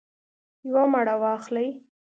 یوه مڼه واخلئ